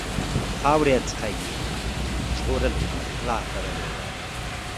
خاورې څخه یې ژغورلو ته ملا تړلې وه.